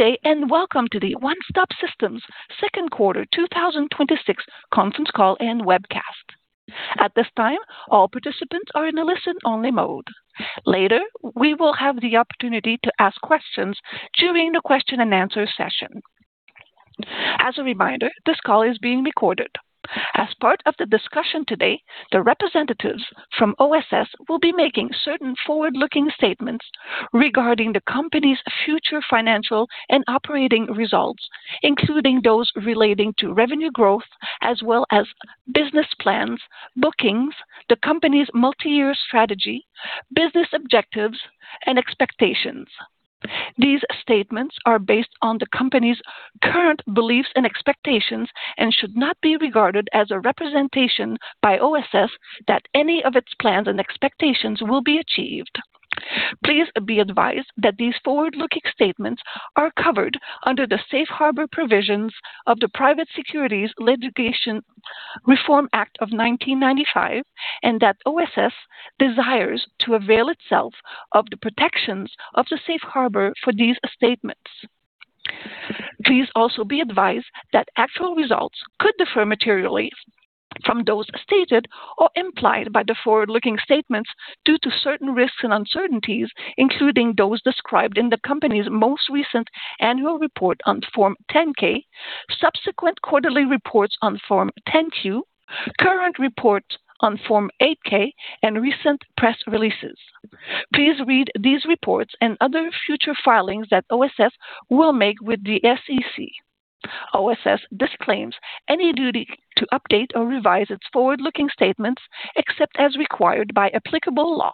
Good day, and welcome to the One Stop Systems Q2 2026 Conference Call and Webcast. At this time, all participants are in a listen-only mode. Later, we will have the opportunity to ask questions during the question-and-answer session. As a reminder, this call is being recorded. As part of the discussion today, the representatives from OSS will be making certain forward-looking statements regarding the company's future financial and operating results, including those relating to revenue growth, as well as business plans, bookings, the company's multi-year strategy, business objectives, and expectations. These statements are based on the company's current beliefs and expectations and should not be regarded as a representation by OSS that any of its plans and expectations will be achieved. Please be advised that these forward-looking statements are covered under the safe harbor provisions of the Private Securities Litigation Reform Act of 1995 and that OSS desires to avail itself of the protections of the safe harbor for these statements. Please also be advised that actual results could differ materially from those stated or implied by the forward-looking statements due to certain risks and uncertainties, including those described in the company's most recent annual report on Form 10-K, subsequent quarterly reports on Form 10-Q, current reports on Form 8-K, and recent press releases. Please read these reports and other future filings that OSS will make with the SEC. OSS disclaims any duty to update or revise its forward-looking statements except as required by applicable law.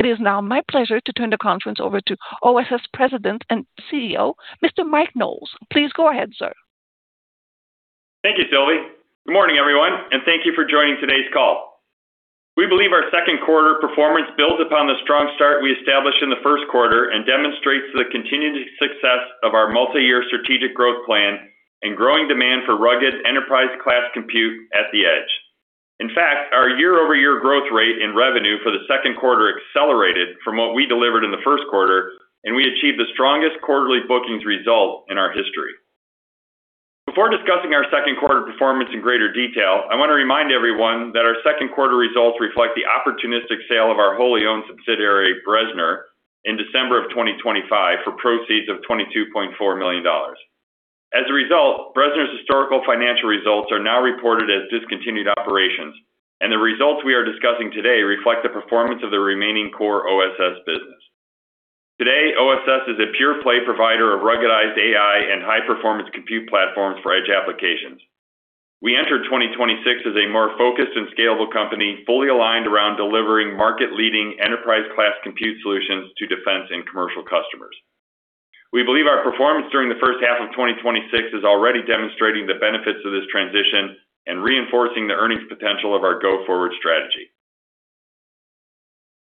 It is now my pleasure to turn the conference over to OSS President and CEO, Mr. Mike Knowles. Please go ahead, sir. Thank you, Sylvie. Good morning, everyone, and thank you for joining today's call. We believe our Q2 performance builds upon the strong start we established in the Q1 and demonstrates the continued success of our multi-year strategic growth plan and growing demand for rugged enterprise-class compute at the edge. In fact, our year-over-year growth rate in revenue for the Q2 accelerated from what we delivered in the Q1, and we achieved the strongest quarterly bookings result in our history. Before discussing our Q2 performance in greater detail, I want to remind everyone that our Q2 results reflect the opportunistic sale of our wholly-owned subsidiary, Bressner, in December of 2025 for proceeds of $22.4 million. As a result, Bressner's historical financial results are now reported as discontinued operations. The results we are discussing today reflect the performance of the remaining core OSS business. Today, OSS is a pure-play provider of ruggedized AI and high-performance compute platforms for edge applications. We entered 2026 as a more focused and scalable company, fully aligned around delivering market-leading enterprise-class compute solutions to defense and commercial customers. We believe our performance during the first half of 2026 is already demonstrating the benefits of this transition and reinforcing the earnings potential of our go-forward strategy.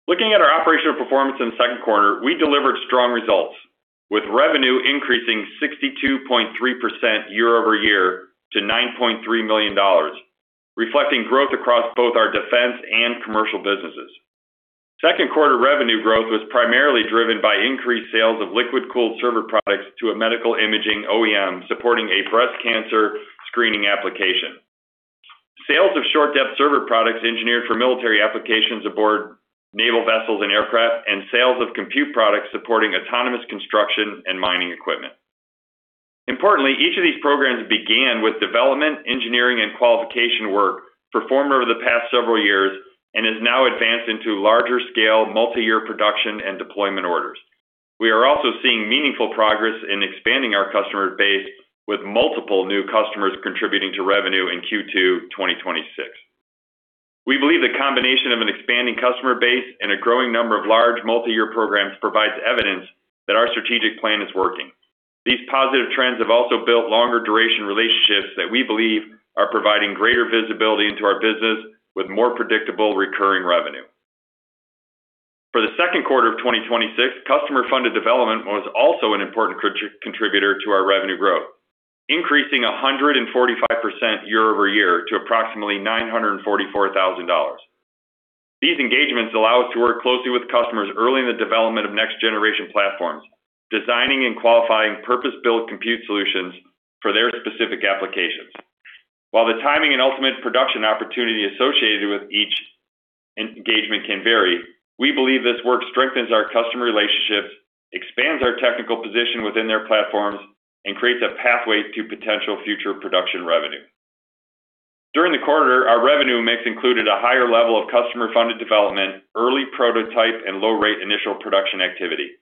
Looking at our operational performance in the Q2, we delivered strong results, with revenue increasing 62.3% year-over-year to $9.3 million, reflecting growth across both our defense and commercial businesses. Q2 revenue growth was primarily driven by increased sales of liquid-cooled server products to a medical imaging OEM supporting a breast cancer screening application. Sales of short-depth server products engineered for military applications aboard naval vessels and aircraft, and sales of compute products supporting autonomous construction and mining equipment. Importantly, each of these programs began with development, engineering, and qualification work performed over the past several years and has now advanced into larger-scale, multi-year production and deployment orders. We are also seeing meaningful progress in expanding our customer base, with multiple new customers contributing to revenue in Q2 2026. We believe the combination of an expanding customer base and a growing number of large multi-year programs provides evidence that our strategic plan is working. These positive trends have also built longer-duration relationships that we believe are providing greater visibility into our business with more predictable recurring revenue. For the Q2 of 2026, customer-funded development was also an important contributor to our revenue growth, increasing 145% year-over-year to approximately $944,000. These engagements allow us to work closely with customers early in the development of next-generation platforms, designing and qualifying purpose-built compute solutions for their specific applications. While the timing and ultimate production opportunity associated with each engagement can vary, we believe this work strengthens our customer relationships, expands our technical position within their platforms, and creates a pathway to potential future production revenue. During the quarter, our revenue mix included a higher level of customer-funded development, early prototype, and low-rate initial production activity.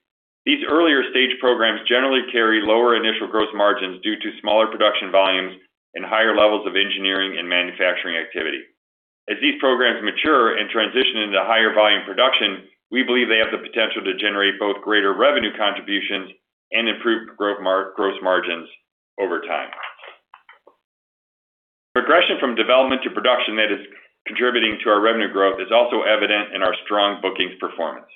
These earlier-stage programs generally carry lower initial gross margins due to smaller production volumes and higher levels of engineering and manufacturing activity. As these programs mature and transition into higher volume production, we believe they have the potential to generate both greater revenue contributions and improved gross margins over time. Progression from development to production that is contributing to our revenue growth is also evident in our strong bookings performance.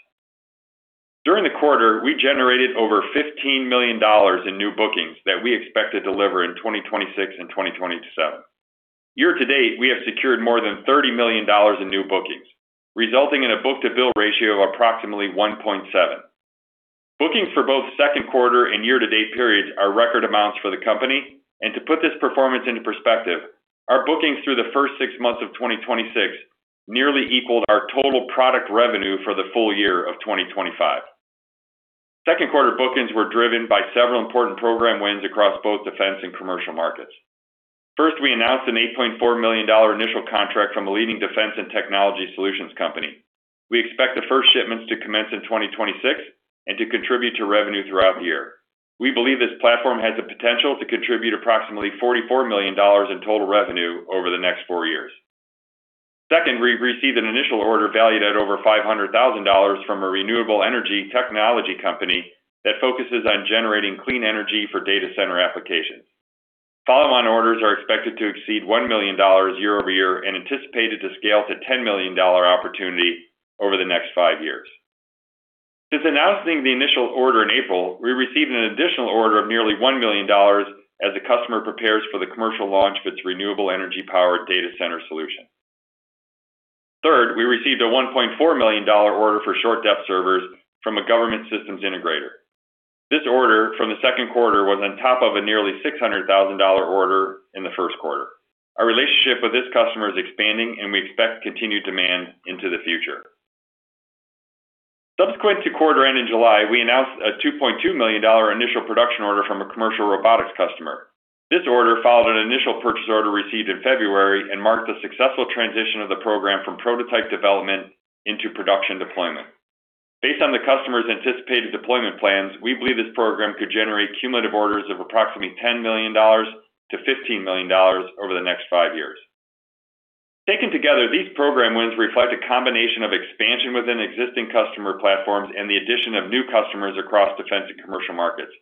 During the quarter, we generated over $15 million in new bookings that we expect to deliver in 2026 and 2027. Year-to-date, we have secured more than $30 million in new bookings, resulting in a book-to-bill ratio of approximately 1.7. Bookings for both Q2 and year-to-date periods are record amounts for the company, and to put this performance into perspective, our bookings through the first six months of 2026 nearly equaled our total product revenue for the full year of 2025. Q2 bookings were driven by several important program wins across both defense and commercial markets. First, we announced an $8.4 million initial contract from a leading defense and technology solutions company. We expect the first shipments to commence in 2026 and to contribute to revenue throughout the year. We believe this platform has the potential to contribute approximately $44 million in total revenue over the next four years. Second, we received an initial order valued at over $500,000 from a renewable energy technology company that focuses on generating clean energy for data center applications. Follow-on orders are expected to exceed $1 million year-over-year and anticipated to scale to $10 million opportunity over the next five years. Since announcing the initial order in April, we received an additional order of nearly $1 million as the customer prepares for the commercial launch of its renewable energy-powered data center solution. Third, we received a $1.4 million order for short-depth servers from a government systems integrator. This order from the Q2 was on top of a nearly $600,000 order in the Q1. Our relationship with this customer is expanding, and we expect continued demand into the future. Subsequent to quarter end in July, we announced a $2.2 million initial production order from a commercial robotics customer. This order followed an initial purchase order received in February and marked the successful transition of the program from prototype development into production deployment. Based on the customer's anticipated deployment plans, we believe this program could generate cumulative orders of approximately $10 million-$15 million over the next five years. Taken together, these program wins reflect a combination of expansion within existing customer platforms and the addition of new customers across defense and commercial markets.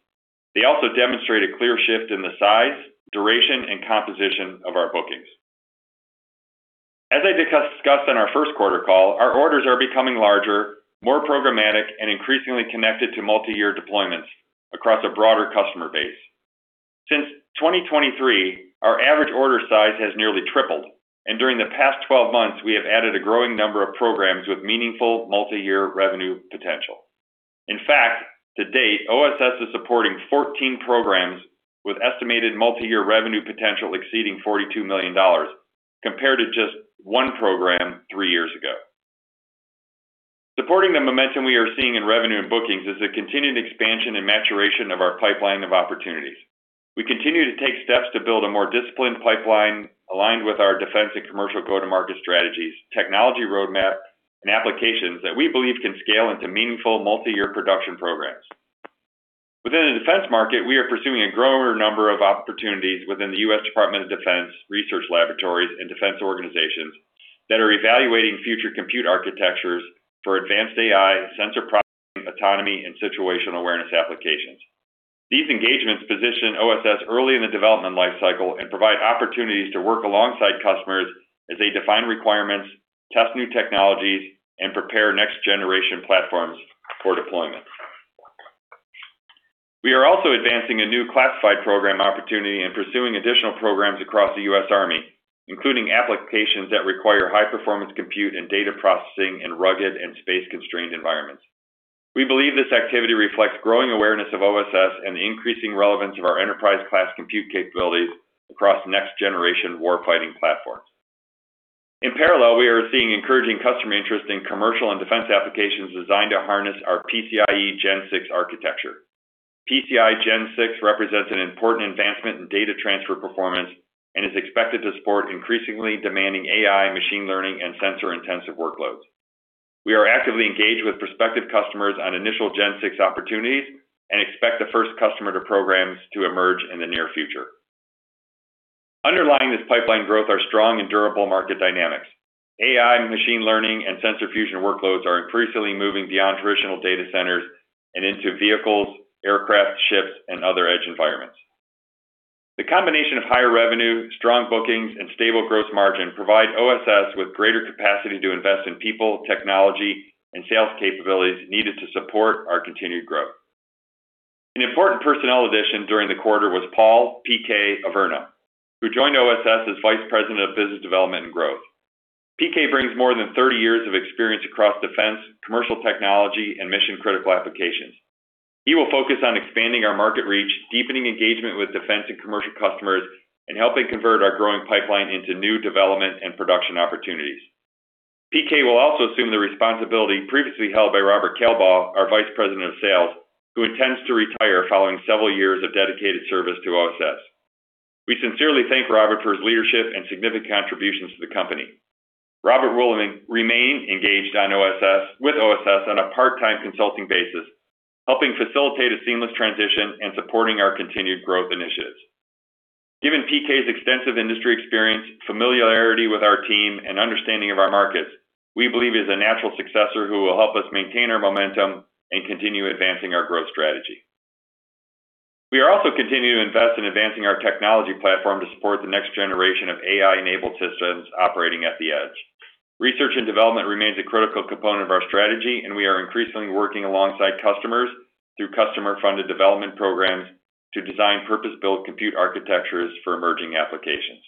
They also demonstrate a clear shift in the size, duration, and composition of our bookings. As I discussed on our Q1 call, our orders are becoming larger, more programmatic, and increasingly connected to multiyear deployments across a broader customer base. Since 2023, our average order size has nearly tripled, and during the past 12 months, we have added a growing number of programs with meaningful multiyear revenue potential. In fact, to date, OSS is supporting 14 programs with estimated multiyear revenue potential exceeding $42 million, compared to just one program three years ago. Supporting the momentum we are seeing in revenue and bookings is the continued expansion and maturation of our pipeline of opportunities. We continue to take steps to build a more disciplined pipeline aligned with our defense and commercial go-to-market strategies, technology roadmap, and applications that we believe can scale into meaningful multiyear production programs. Within the defense market, we are pursuing a growing number of opportunities within the U.S. Department of Defense research laboratories and defense organizations that are evaluating future compute architectures for advanced AI, sensor processing, autonomy, and situational awareness applications. These engagements position OSS early in the development life cycle and provide opportunities to work alongside customers as they define requirements, test new technologies, and prepare next-generation platforms for deployment. We are also advancing a new classified program opportunity and pursuing additional programs across the U.S. Army, including applications that require high-performance compute and data processing in rugged and space-constrained environments. We believe this activity reflects growing awareness of OSS and the increasing relevance of our enterprise-class compute capabilities across next-generation warfighting platforms. In parallel, we are seeing encouraging customer interest in commercial and defense applications designed to harness our PCIe Gen 6 architecture. PCIe Gen 6 represents an important advancement in data transfer performance and is expected to support increasingly demanding AI, machine learning, and sensor-intensive workloads. We are actively engaged with prospective customers on initial Gen 6 opportunities and expect the first customer to programs to emerge in the near future. Underlying this pipeline growth are strong and durable market dynamics. AI, machine learning, and sensor fusion workloads are increasingly moving beyond traditional data centers and into vehicles, aircraft, ships, and other edge environments. The combination of higher revenue, strong bookings, and stable gross margin provide OSS with greater capacity to invest in people, technology, and sales capabilities needed to support our continued growth. An important personnel addition during the quarter was Paul "PK" Averna, who joined OSS as Vice President of Business Development and Growth. PK brings more than 30 years of experience across defense, commercial technology, and mission-critical applications. He will focus on expanding our market reach, deepening engagement with defense and commercial customers, and helping convert our growing pipeline into new development and production opportunities. PK will also assume the responsibility previously held by Robert Kalebaugh, our Vice President of Sales, who intends to retire following several years of dedicated service to OSS. We sincerely thank Robert for his leadership and significant contributions to the company. Robert will remain engaged with OSS on a part-time consulting basis, helping facilitate a seamless transition and supporting our continued growth initiatives. Given PK's extensive industry experience, familiarity with our team, and understanding of our markets, we believe he is a natural successor who will help us maintain our momentum and continue advancing our growth strategy. We are also continuing to invest in advancing our technology platform to support the next generation of AI-enabled systems operating at the edge. Research and development remains a critical component of our strategy, and we are increasingly working alongside customers through customer-funded development programs to design purpose-built compute architectures for emerging applications.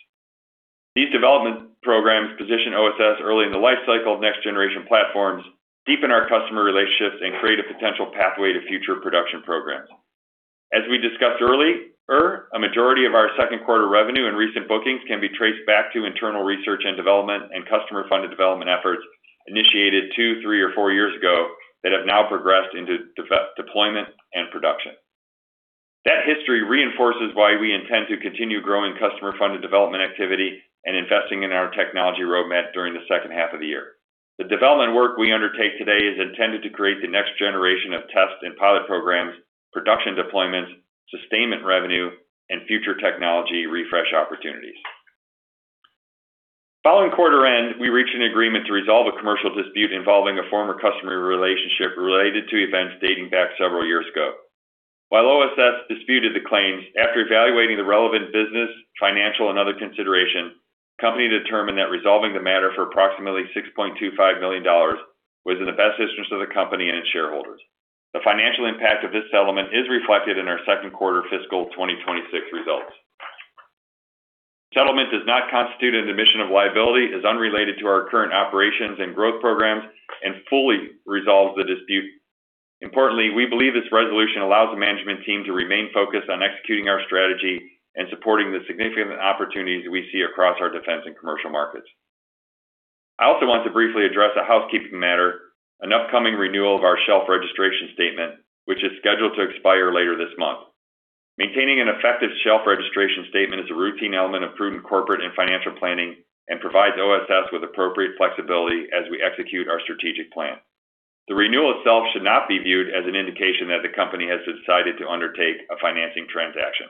These development programs position OSS early in the life cycle of next-generation platforms, deepen our customer relationships, and create a potential pathway to future production programs. As we discussed earlier, a majority of our Q2 revenue and recent bookings can be traced back to internal research and development and customer-funded development efforts initiated two, three, or four years ago that have now progressed into deployment and production. That history reinforces why we intend to continue growing customer-funded development activity and investing in our technology roadmap during the second half of the year. The development work we undertake today is intended to create the next generation of test and pilot programs, production deployments, sustainment revenue, and future technology refresh opportunities. Following quarter end, we reached an agreement to resolve a commercial dispute involving a former customer relationship related to events dating back several years ago. While OSS disputed the claims, after evaluating the relevant business, financial, and other consideration, the company determined that resolving the matter for approximately $6.25 million was in the best interest of the company and its shareholders. The financial impact of this settlement is reflected in our Q2 fiscal 2026 results. Settlement does not constitute an admission of liability, is unrelated to our current operations and growth programs, and fully resolves the dispute. Importantly, we believe this resolution allows the management team to remain focused on executing our strategy and supporting the significant opportunities we see across our defense and commercial markets. I also want to briefly address a housekeeping matter, an upcoming renewal of our shelf registration statement, which is scheduled to expire later this month. Maintaining an effective shelf registration statement is a routine element of prudent corporate and financial planning and provides OSS with appropriate flexibility as we execute our strategic plan. The renewal itself should not be viewed as an indication that the company has decided to undertake a financing transaction.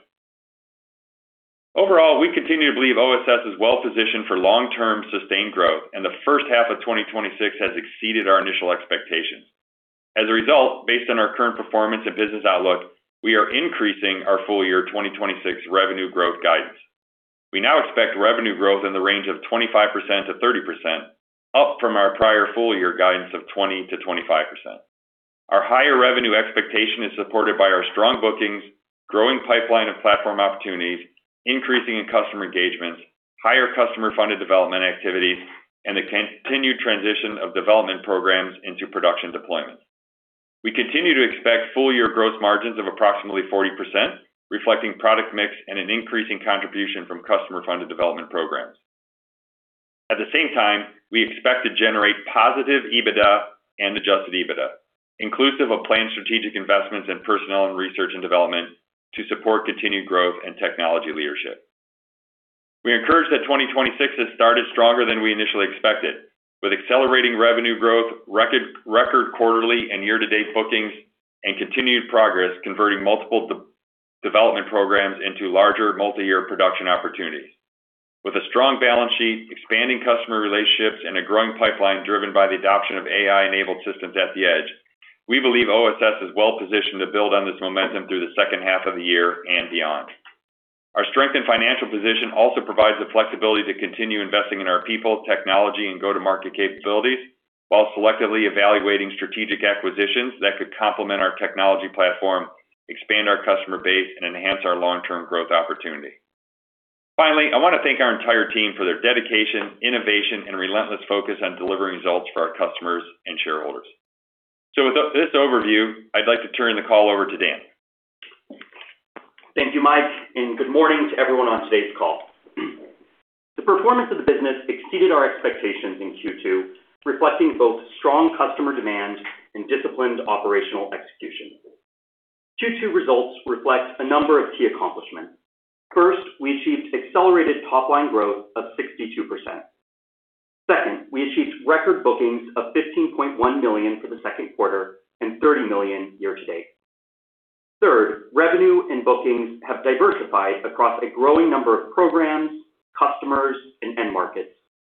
Overall, we continue to believe OSS is well-positioned for long-term sustained growth, and the first half of 2026 has exceeded our initial expectations. As a result, based on our current performance and business outlook, we are increasing our full year 2026 revenue growth guidance. We now expect revenue growth in the range of 25%-30%, up from our prior full year guidance of 20%-25%. Our higher revenue expectation is supported by our strong bookings, growing pipeline of platform opportunities, increasing in customer engagements, higher customer-funded development activities, and the continued transition of development programs into production deployments. We continue to expect full year gross margins of approximately 40%, reflecting product mix and an increasing contribution from customer-funded development programs. At the same time, we expect to generate positive EBITDA and adjusted EBITDA, inclusive of planned strategic investments in personnel and research and development to support continued growth and technology leadership. We are encouraged that 2026 has started stronger than we initially expected with accelerating revenue growth, record quarterly and year-to-date bookings, and continued progress converting multiple development programs into larger multi-year production opportunities. With a strong balance sheet, expanding customer relationships, and a growing pipeline driven by the adoption of AI-enabled systems at the edge, we believe OSS is well positioned to build on this momentum through the second half of the year and beyond. Our strength and financial position also provides the flexibility to continue investing in our people, technology, and go-to-market capabilities while selectively evaluating strategic acquisitions that could complement our technology platform, expand our customer base, and enhance our long-term growth opportunity. Finally, I want to thank our entire team for their dedication, innovation, and relentless focus on delivering results for our customers and shareholders. So with this overview, I'd like to turn the call over to Dan. Thank you, Mike, and good morning to everyone on today's call. The performance of the business exceeded our expectations in Q2, reflecting both strong customer demand and disciplined operational execution. Q2 results reflect a number of key accomplishments. First, we achieved accelerated top-line growth of 62%. Second, we achieved record bookings of $15.1 million for the Q2 and $30 million year to date. Third, revenue and bookings have diversified across a growing number of programs, customers, and end markets,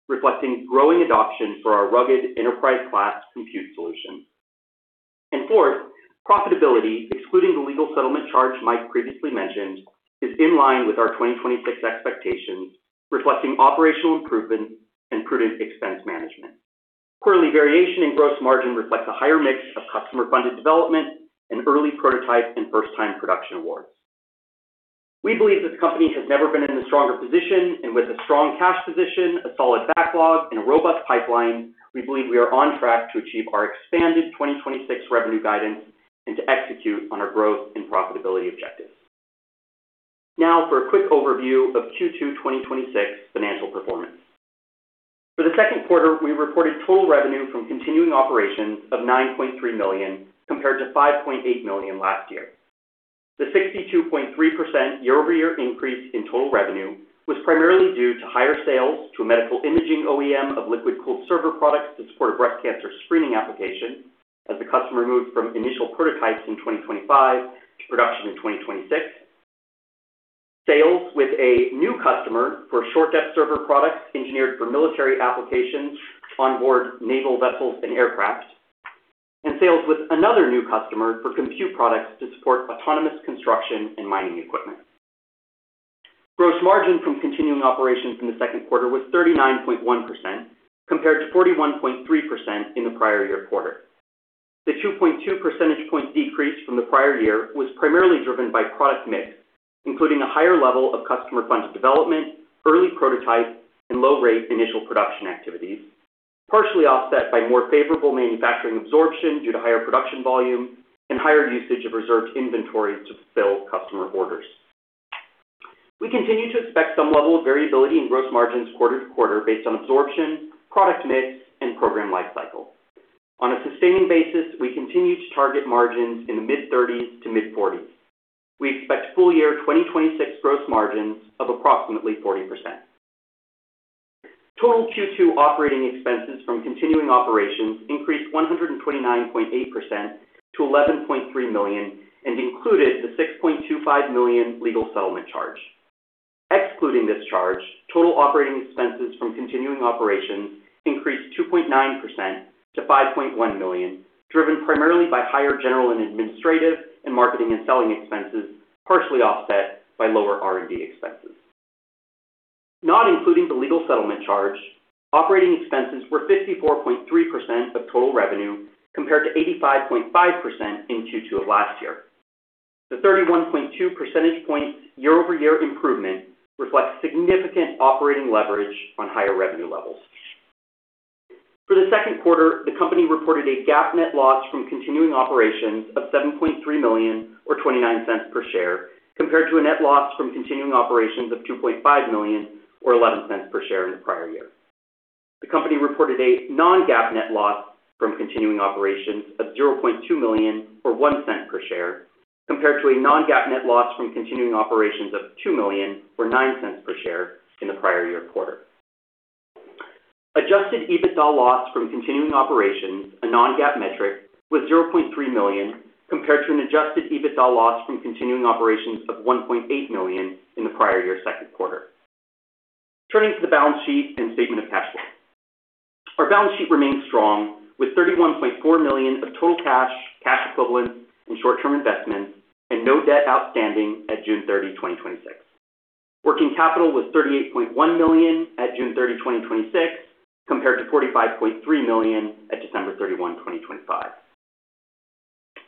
reflecting growing adoption for our rugged enterprise-class compute solutions. And fourth, profitability, excluding the legal settlement charge Mike previously mentioned, is in line with our 2026 expectations, reflecting operational improvements and prudent expense management. Quarterly variation in gross margin reflects a higher mix of customer-funded development and early prototype and first-time production awards. We believe this company has never been in a stronger position and with a strong cash position, a solid backlog, and a robust pipeline, we believe we are on track to achieve our expanded 2026 revenue guidance and to execute on our growth and profitability objectives. Now for a quick overview of Q2 2026 financial performance. For the Q2, we reported total revenue from continuing operations of $9.3 million compared to $5.8 million last year. The 62.3% year-over-year increase in total revenue was primarily due to higher sales to a medical imaging OEM of liquid-cooled server products to support a breast cancer screening application as the customer moved from initial prototypes in 2025 to production in 2026. Sales with a new customer for short-depth server products engineered for military applications onboard naval vessels and aircraft, and sales with another new customer for compute products to support autonomous construction and mining equipment. Gross margin from continuing operations in the Q2 was 39.1%, compared to 41.3% in the prior year quarter. The 2.2 percentage point decrease from the prior year was primarily driven by product mix, including a higher level of customer funded development, early prototype, and low rate initial production activities, partially offset by more favorable manufacturing absorption due to higher production volume and higher usage of reserved inventory to fulfill customer orders. We continue to expect some level of variability in gross margins quarter to quarter based on absorption, product mix, and program life cycle. On a sustaining basis, we continue to target margins in the mid-30s to mid-40s. We expect full year 2026 gross margins of approximately 40%. Total Q2 operating expenses from continuing operations increased 129.8% to $11.3 million, included the $6.25 million legal settlement charge. Excluding this charge, total operating expenses from continuing operations increased 2.9% to $5.1 million, driven primarily by higher general and administrative and marketing and selling expenses, partially offset by lower R&D expenses. Not including the legal settlement charge, operating expenses were 54.3% of total revenue, compared to 85.5% in Q2 of last year. The 31.2 percentage point year-over-year improvement reflects significant operating leverage on higher revenue levels. For the Q2, the company reported a GAAP net loss from continuing operations of $7.3 million, or $0.29 per share, compared to a net loss from continuing operations of $2.5 million, or $0.11 per share in the prior year. The company reported a non-GAAP net loss from continuing operations of $0.2 million or $0.01 per share, compared to a non-GAAP net loss from continuing operations of $2 million or $0.09 per share in the prior year quarter. Adjusted EBITDA loss from continuing operations, a non-GAAP metric, was $0.3 million, compared to an adjusted EBITDA loss from continuing operations of $1.8 million in the prior year Q2. Turning to the balance sheet and statement of cash flow. Our balance sheet remains strong, with $31.4 million of total cash equivalents, and short-term investments, and no debt outstanding at June 30, 2026. Working capital was $38.1 million at June 30, 2026, compared to $45.3 million at December 31, 2025.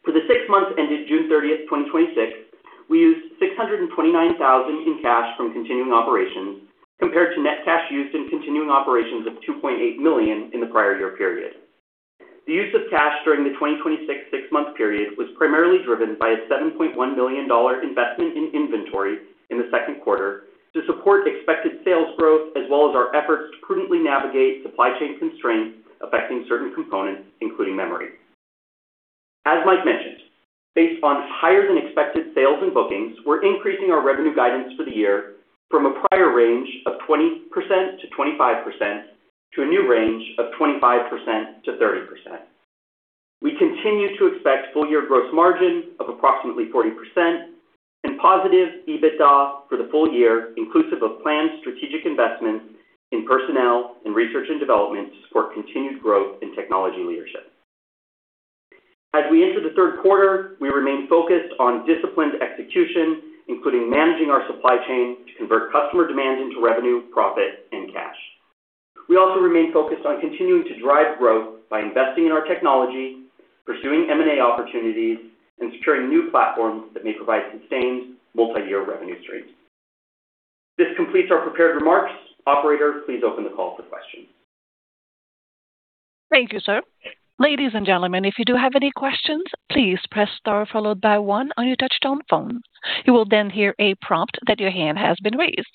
For the six months ended June 30th, 2026, we used $629,000 in cash from continuing operations compared to net cash used in continuing operations of $2.8 million in the prior year period. The use of cash during the 2026 six-month period was primarily driven by a $7.1 million investment in inventory in the Q2 to support expected sales growth, as well as our efforts to prudently navigate supply chain constraints affecting certain components, including memory. As Mike mentioned, based on higher than expected sales and bookings, we're increasing our revenue guidance for the year from a prior range of 20%-25%, to a new range of 25%-30%. We continue to expect full year gross margin of approximately 40% and positive EBITDA for the full year, inclusive of planned strategic investments in personnel and research and development to support continued growth in technology leadership. As we enter the Q3, we remain focused on disciplined execution, including managing our supply chain to convert customer demand into revenue, profit, and cash. We also remain focused on continuing to drive growth by investing in our technology, pursuing M&A opportunities, and securing new platforms that may provide sustained multi-year revenue streams. This completes our prepared remarks. Operator, please open the call for questions. Thank you, sir. Ladies and gentlemen, if you do have any questions, please press *1 on your touch-tone phone. You will then hear a prompt that your hand has been raised.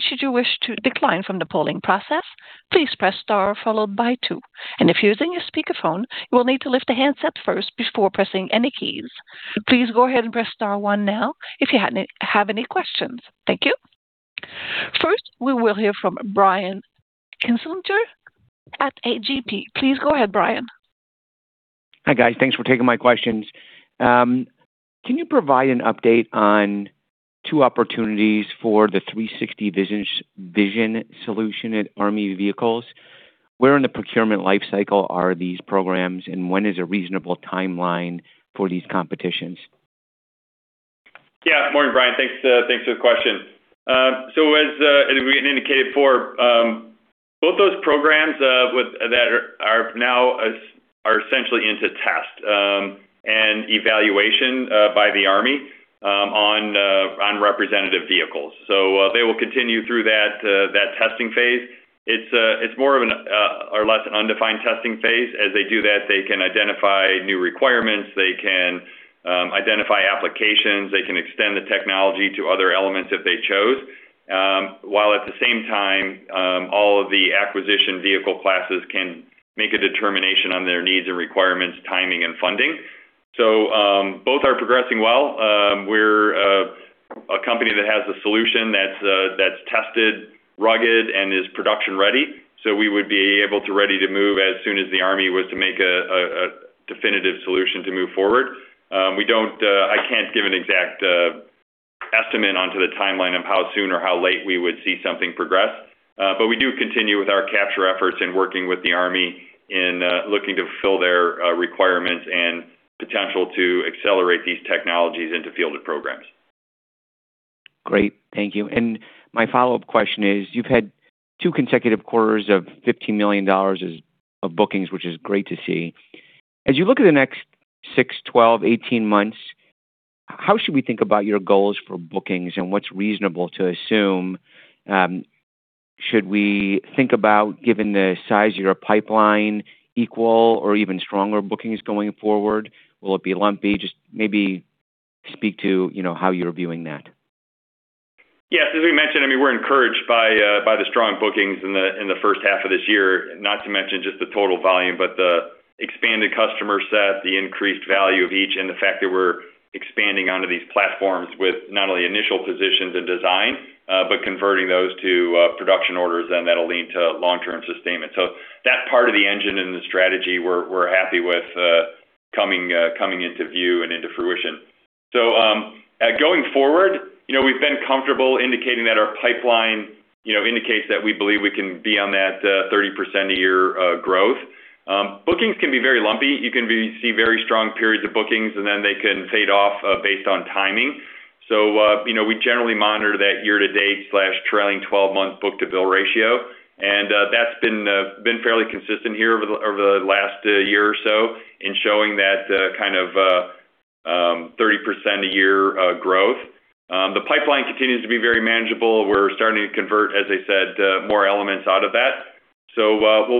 Should you wish to decline from the polling process, please press *2. If you're using your speakerphone, you will need to lift the handset first before pressing any keys. Please go ahead and press *1 now if you have any questions. Thank you. First, we will hear from Brian Kinstlinger at A.G.P. Please go ahead, Brian. Hi, guys. Thanks for taking my questions. Can you provide an update on two opportunities for the 360 vision solution at Army Vehicles? Where in the procurement life cycle are these programs, and when is a reasonable timeline for these competitions? Yeah. Morning, Brian. Thanks for the question. As we indicated before, both those programs that are now essentially into test and evaluation by the Army on representative vehicles. They will continue through that testing phase. It's more or less an undefined testing phase. As they do that, they can identify new requirements, they can identify applications, they can extend the technology to other elements if they chose, while at the same time, all of the acquisition vehicle classes can make a determination on their needs and requirements, timing, and funding. Both are progressing well. We're a company that has a solution that's tested, rugged, and is production-ready. We would be able to ready to move as soon as the Army was to make a definitive solution to move forward. I can't give an exact estimate onto the timeline of how soon or how late we would see something progress. We do continue with our capture efforts in working with the Army in looking to fill their requirements and potential to accelerate these technologies into fielded programs. Great. Thank you. My follow-up question is, you've had two consecutive quarters of $15 million of bookings, which is great to see. As you look at the next 6, 12, 18 months, how should we think about your goals for bookings and what's reasonable to assume? Should we think about, given the size of your pipeline, equal or even stronger bookings going forward? Will it be lumpy? Just maybe speak to how you're viewing that. Yes, as we mentioned, we're encouraged by the strong bookings in the first half of this year, not to mention just the total volume, but the expanded customer set, the increased value of each, and the fact that we're expanding onto these platforms with not only initial positions and design, but converting those to production orders, that'll lead to long-term sustainment. That part of the engine and the strategy we're happy with coming into view and into fruition. Going forward, we've been comfortable indicating that our pipeline indicates that we believe we can be on that 30% a year growth. Bookings can be very lumpy. You can see very strong periods of bookings, they can fade off based on timing. We generally monitor that year-to-date/trailing 12-month book-to-bill ratio, and that's been fairly consistent here over the last year or so in showing that kind of 30% a year growth. The pipeline continues to be very manageable. We're starting to convert, as I said, more elements out of that.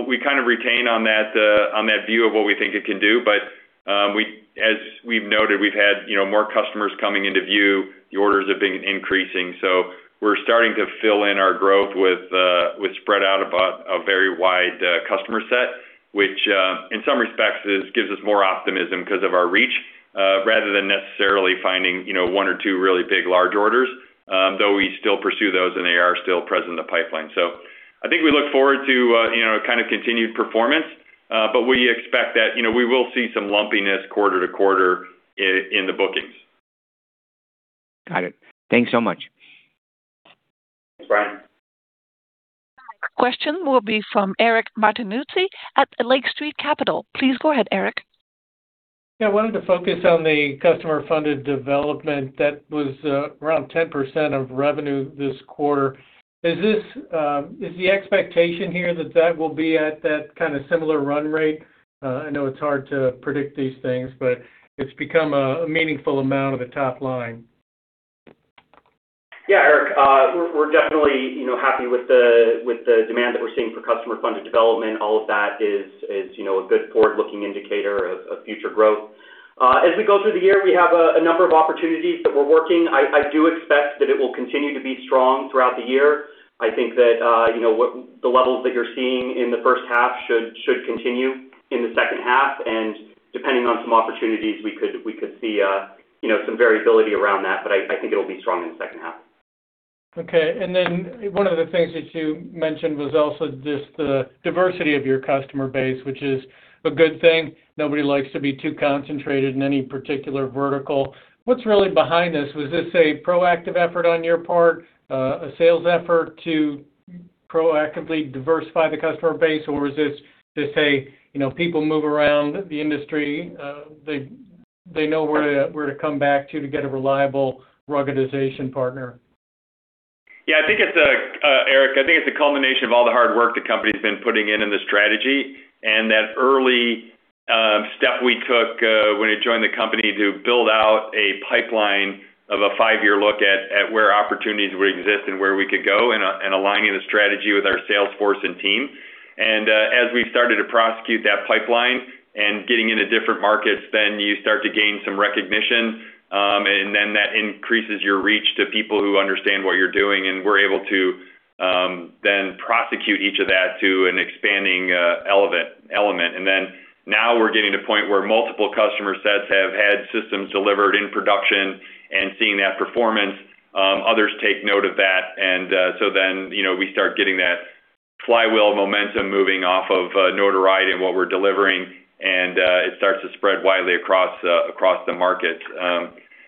We kind of retain on that view of what we think it can do, as we've noted, we've had more customers coming into view. The orders have been increasing. We're starting to fill in our growth with spread out a very wide customer set, which, in some respects, gives us more optimism because of our reach, rather than necessarily finding one or two really big large orders, though we still pursue those and they are still present in the pipeline. I think we look forward to a kind of continued performance, but we expect that we will see some lumpiness quarter-to-quarter in the bookings. Got it. Thanks so much. Thanks, Brian. Our next question will be from Eric Martinuzzi at Lake Street Capital. Please go ahead, Eric. Yeah, I wanted to focus on the customer-funded development that was around 10% of revenue this quarter. Is the expectation here that that will be at that kind of similar run rate? I know it's hard to predict these things, but it's become a meaningful amount of the top line. Yeah, Eric. We're definitely happy with the demand that we're seeing for customer-funded development. All of that is a good forward-looking indicator of future growth. As we go through the year, we have a number of opportunities that we're working. I do expect that it will continue to be strong throughout the year. I think that the levels that you're seeing in the first half should continue in the second half. Depending on some opportunities, we could see some variability around that, but I think it'll be strong in the second half. Okay, one of the things that you mentioned was also just the diversity of your customer base, which is a good thing. Nobody likes to be too concentrated in any particular vertical. What's really behind this? Was this a proactive effort on your part, a sales effort to proactively diversify the customer base? Was this just a people move around the industry, they know where to come back to to get a reliable ruggedization partner? Yeah, Eric, I think it's a culmination of all the hard work the company's been putting in in the strategy and that early step we took when I joined the company to build out a pipeline of a five-year look at where opportunities would exist and where we could go and aligning the strategy with our sales force and team. As we started to prosecute that pipeline and getting into different markets, then you start to gain some recognition. That increases your reach to people who understand what you're doing. We're able to then prosecute each of that to an expanding element. Now we're getting to a point where multiple customer sets have had systems delivered in production and seeing that performance. Others take note of that, we start getting that flywheel momentum moving off of notoriety and what we're delivering, it starts to spread widely across the market.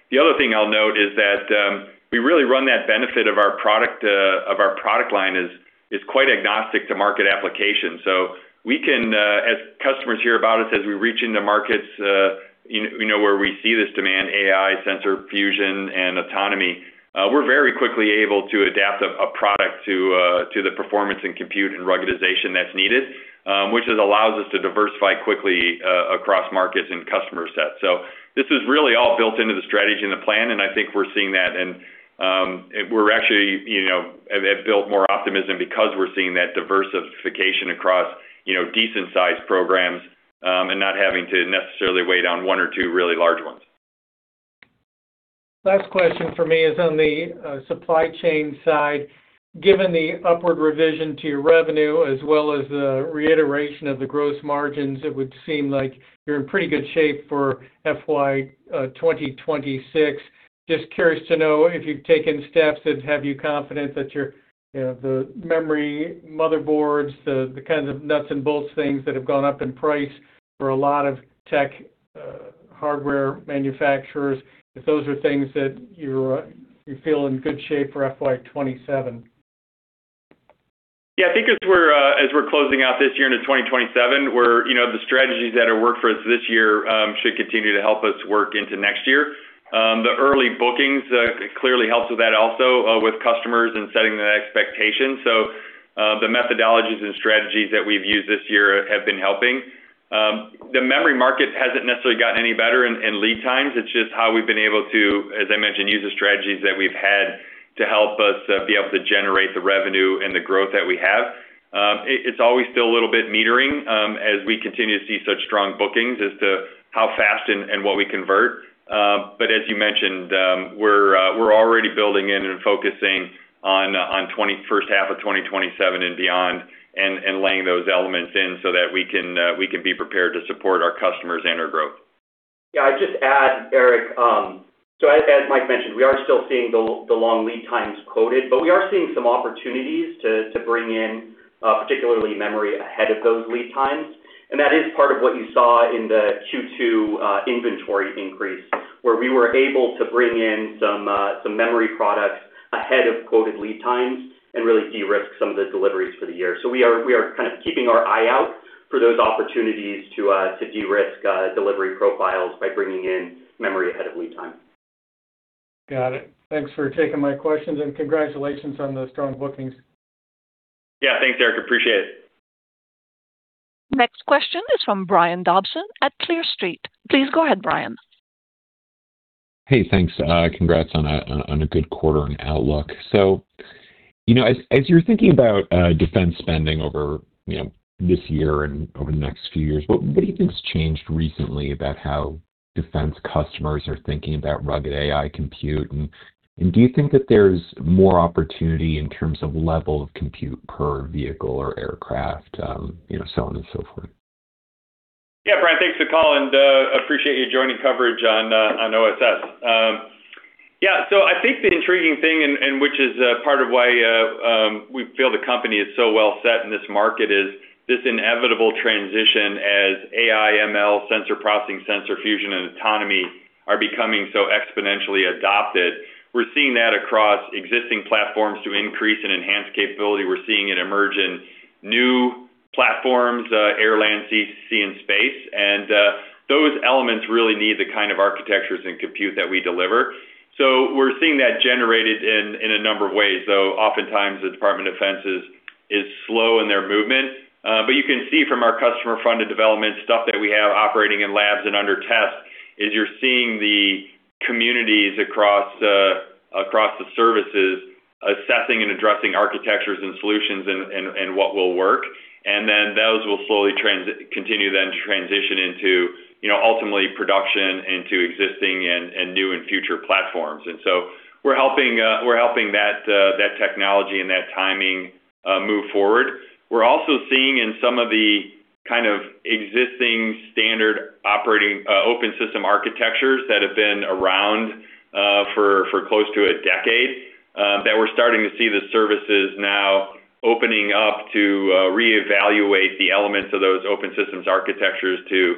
The other thing I'll note is that we really run that benefit of our product line as quite agnostic to market application. As customers hear about us, as we reach into markets where we see this demand, AI, sensor fusion, and autonomy, we're very quickly able to adapt a product to the performance and compute and ruggedization that's needed, which has allowed us to diversify quickly across markets and customer sets. This is really all built into the strategy and the plan, I think we're seeing that, we actually have built more optimism because we're seeing that diversification across decent-sized programs, not having to necessarily weigh down one or two really large ones. Last question from me is on the supply chain side. Given the upward revision to your revenue as well as the reiteration of the gross margins, it would seem like you're in pretty good shape for FY 2026. Just curious to know if you've taken steps that have you confident that the memory motherboards, the kinds of nuts and bolts things that have gone up in price for a lot of tech hardware manufacturers, if those are things that you feel in good shape for FY 2027? I think as we're closing out this year into 2027, the strategies that have worked for us this year should continue to help us work into next year. The early bookings clearly helps with that also with customers and setting the expectations. The methodologies and strategies that we've used this year have been helping. The memory market hasn't necessarily gotten any better in lead times. It's just how we've been able to, as I mentioned, use the strategies that we've had to help us be able to generate the revenue and the growth that we have. It's always still a little bit metering, as we continue to see such strong bookings as to how fast and what we convert. As you mentioned, we're already building in and focusing on first half of 2027 and beyond, laying those elements in so that we can be prepared to support our customers and our growth. Yeah. I'd just add, Eric, as Mike mentioned, we are still seeing the long lead times quoted, but we are seeing some opportunities to bring in, particularly memory ahead of those lead times. That is part of what you saw in the Q2 inventory increase, where we were able to bring in some memory products ahead of quoted lead times and really de-risk some of the deliveries for the year. We are kind of keeping our eye out for those opportunities to de-risk delivery profiles by bringing in memory ahead of lead time. Got it. Thanks for taking my questions and congratulations on the strong bookings. Yeah. Thanks, Eric. Appreciate it. Next question is from Brian Dobson at Clear Street. Please go ahead, Brian. Hey, thanks. Congrats on a good quarter and outlook. As you're thinking about defense spending over this year and over the next few years, what do you think's changed recently about how defense customers are thinking about rugged AI compute? Do you think that there's more opportunity in terms of level of compute per vehicle or aircraft, so on and so forth? Yeah, Brian, thanks for calling. Appreciate you joining coverage on OSS. I think the intriguing thing, which is part of why we feel the company is so well set in this market, is this inevitable transition as AI, ML, sensor processing, sensor fusion, and autonomy are becoming so exponentially adopted. We're seeing that across existing platforms to increase and enhance capability. We're seeing it emerge in new platforms, air, land, sea, and space. Those elements really need the kind of architectures and compute that we deliver. We're seeing that generated in a number of ways, though oftentimes the Department of Defense is slow in their movement. You can see from our customer-funded development stuff that we have operating in labs and under test is you're seeing the communities across the services assessing and addressing architectures and solutions and what will work. Those will slowly continue then to transition into ultimately production into existing and new and future platforms. We're helping that technology and that timing move forward. We're also seeing in some of the kind of existing standard operating open system architectures that have been around for close to a decade, that we're starting to see the services now opening up to reevaluate the elements of those open systems architectures to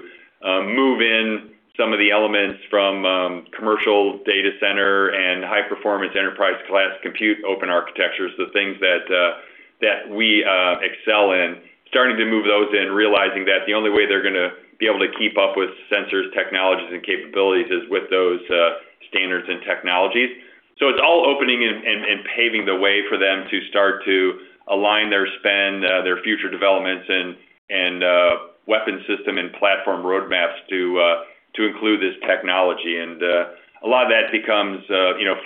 move in some of the elements from commercial data center and high-performance enterprise class compute open architectures, the things that we excel in. Starting to move those in, realizing that the only way they're going to be able to keep up with sensors, technologies, and capabilities is with those standards and technologies. It's all opening and paving the way for them to start to align their spend, their future developments, and weapon system and platform roadmaps to include this technology. A lot of that becomes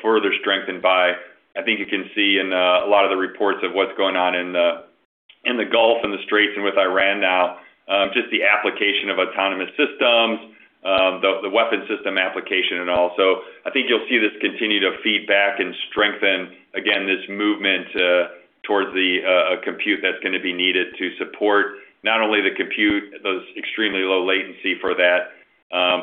further strengthened by, I think you can see in a lot of the reports of what's going on in the Gulf and the Straits and with Iran now, just the application of autonomous systems, the weapon system application and all. I think you'll see this continue to feed back and strengthen again, this movement towards the compute that's going to be needed to support not only the compute, those extremely low latency for that,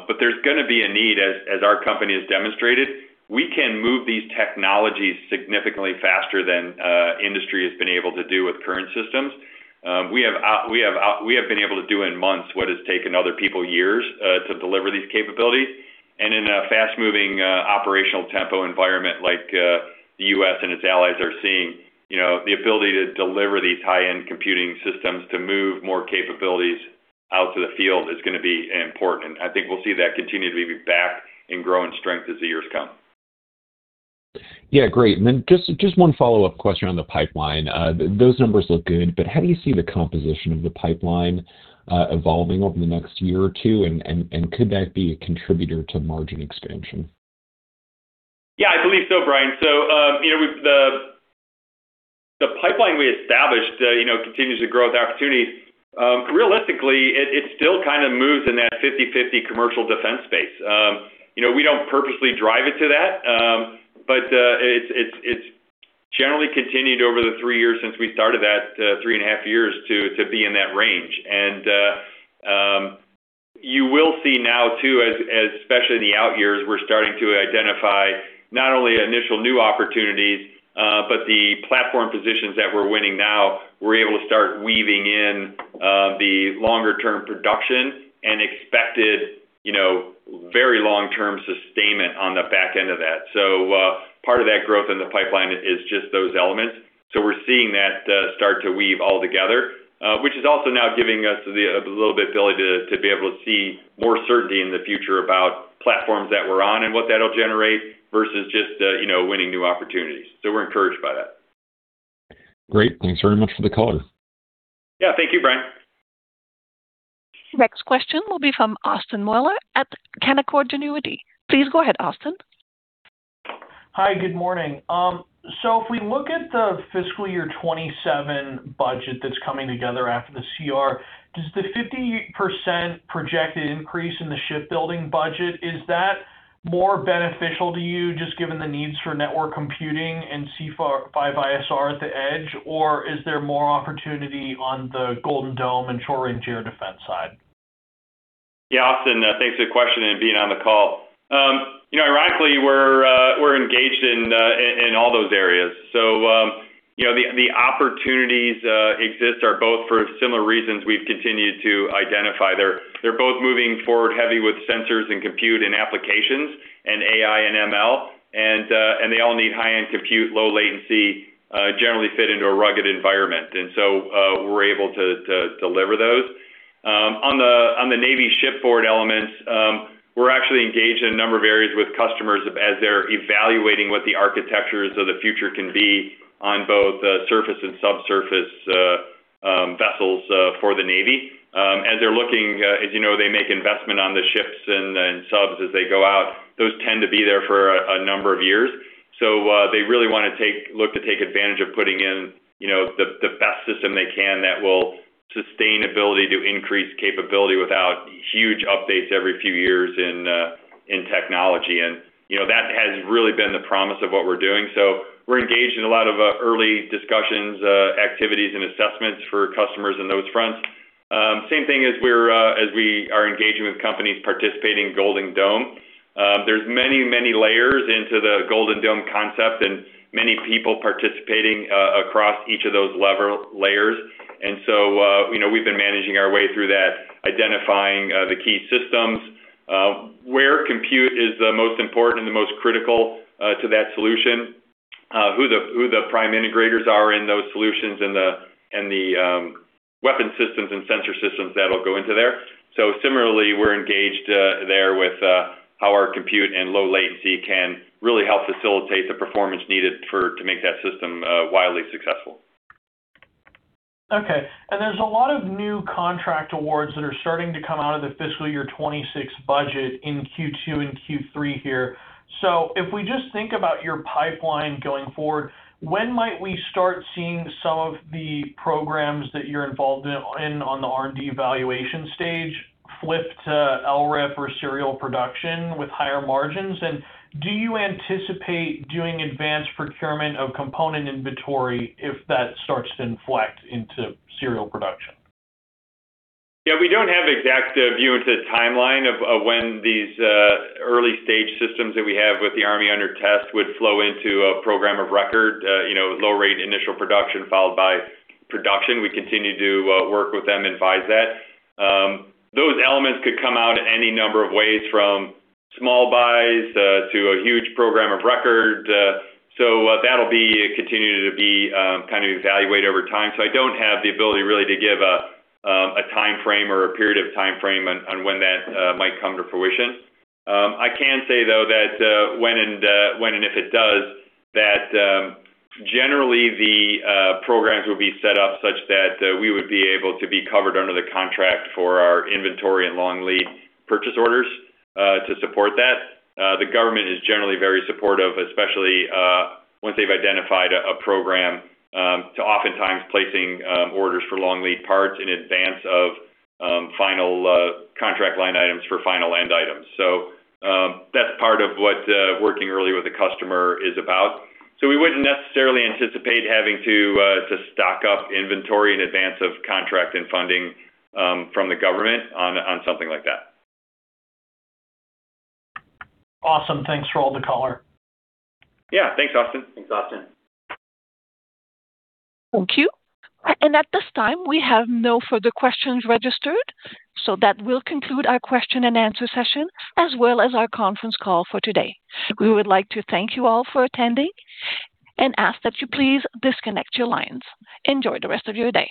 but there's going to be a need, as our company has demonstrated. We can move these technologies significantly faster than industry has been able to do with current systems. We have been able to do in months what has taken other people years to deliver these capabilities. In a fast-moving, operational tempo environment like the U.S. and its allies are seeing, the ability to deliver these high-end computing systems to move more capabilities out to the field is going to be important. I think we'll see that continue to be back and grow in strength as the years come. Yeah. Great. Then just one follow-up question on the pipeline. Those numbers look good, but how do you see the composition of the pipeline evolving over the next year or two, and could that be a contributor to margin expansion? Yeah, I believe so, Brian. The pipeline we established continues to grow with opportunities. Realistically, it still kind of moves in that 50/50 commercial defense space. We don't purposely drive it to that. It's generally continued over the three years since we started that, three and a half years, to be in that range. You will see now, too, especially in the out years, we're starting to identify not only initial new opportunities, but the platform positions that we're winning now, we're able to start weaving in term production and expected very long-term sustainment on the back end of that. Part of that growth in the pipeline is just those elements. We're seeing that start to weave all together, which is also now giving us a little bit of ability to be able to see more certainty in the future about platforms that we're on and what that'll generate versus just winning new opportunities. We're encouraged by that. Great. Thanks very much for the color. Yeah. Thank you, Brian. Next question will be from Austin Moeller at Canaccord Genuity. Please go ahead, Austin. Hi. Good morning. If we look at the fiscal year 2027 budget that's coming together after the CR, does the 50% projected increase in the shipbuilding budget, is that more beneficial to you just given the needs for network computing and C5ISR at the edge or is there more opportunity on the Golden Dome and short-range air defense side? Austin, thanks for the question and being on the call. Ironically, we're engaged in all those areas. The opportunities exist are both for similar reasons we've continued to identify. They're both moving forward heavy with sensors and compute and applications and AI and ML, and they all need high-end compute, low latency, generally fit into a rugged environment. We're able to deliver those. On the Navy shipboard elements, we're actually engaged in a number of areas with customers as they're evaluating what the architectures of the future can be on both surface and subsurface vessels for the Navy. As they're looking, as you know, they make investment on the ships and subs as they go out. Those tend to be there for a number of years. They really want to look to take advantage of putting in the best system they can that will sustainability to increase capability without huge updates every few years in technology. That has really been the promise of what we're doing. We're engaged in a lot of early discussions, activities, and assessments for customers on those fronts. Same thing as we are engaging with companies participating in Golden Dome. There's many layers into the Golden Dome concept and many people participating across each of those layers. We've been managing our way through that, identifying the key systems, where compute is the most important and the most critical to that solution, who the prime integrators are in those solutions in the weapon systems and sensor systems that'll go into there. Similarly, we're engaged there with how our compute and low latency can really help facilitate the performance needed to make that system wildly successful. Okay. There's a lot of new contract awards that are starting to come out of the fiscal year 2026 budget in Q2 and Q3 here. If we just think about your pipeline going forward, when might we start seeing some of the programs that you're involved in on the R&D evaluation stage flip to LRIP or serial production with higher margins? Do you anticipate doing advanced procurement of component inventory if that starts to inflect into serial production? Yeah, we don't have exact view into the timeline of when these early-stage systems that we have with the U.S. Army under test would flow into a program of record, low rate initial production followed by production. We continue to work with them and advise that. Those elements could come out any number of ways, from small buys to a huge program of record. That'll be continued to be kind of evaluated over time. I don't have the ability really to give a time frame or a period of time frame on when that might come to fruition. I can say, though, that when and if it does, that generally the programs will be set up such that we would be able to be covered under the contract for our inventory and long lead purchase orders to support that. The government is generally very supportive, especially once they've identified a program, to oftentimes placing orders for long lead parts in advance of final contract line items for final end items. That's part of what working early with a customer is about. We wouldn't necessarily anticipate having to stock up inventory in advance of contract and funding from the government on something like that. Awesome. Thanks for all the color. Yeah. Thanks, Austin. Thanks, Austin. Thank you. At this time, we have no further questions registered, that will conclude our question-and-answer session as well as our conference call for today. We would like to thank you all for attending and ask that you please disconnect your lines. Enjoy the rest of your day.